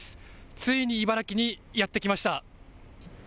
ついに茨城にやって来ました。